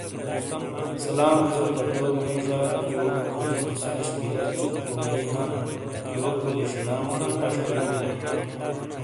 سلام جو پتو مئی ژاروجو کھجومس آش بلہ چُک بو بئیی ہانت یوک بلی شنا موژی فش تو نے بلے ؟